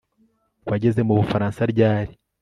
Wageze mu Bufaransa ryari